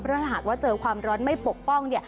ถ้าหากว่าเจอความร้อนไม่ปกป้อง